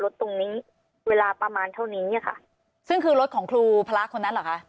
ซึ่งอันนี้ตำรวจเก็บไปแล้วใช่ไหม